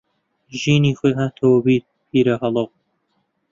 ژینی خۆی هاتەوە بیر پیرەهەڵۆ